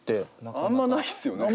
あんまないっすよね。